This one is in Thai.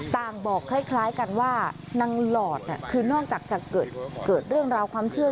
บอกคล้ายกันว่านางหลอดคือนอกจากจะเกิดเรื่องราวความเชื่อ